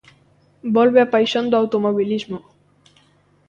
Volve a paixón do automobilismo.